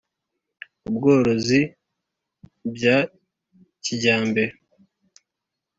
ubworozi bya kijyambere